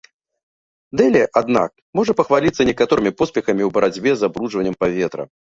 Дэлі, аднак, можа пахваліцца некаторымі поспехамі ў барацьбе з забруджваннем паветра.